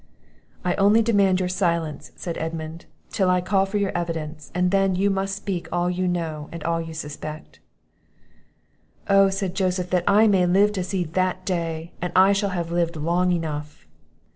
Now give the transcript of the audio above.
"I only demand your silence," said Edmund, "till I call for your evidence; and then, you must speak all you know, and all you suspect." "Oh," said Joseph, "that I may but live to see that day, and I shall have lived long enough!"